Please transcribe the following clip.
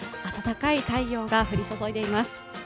暖かい太陽が降り注いでいます。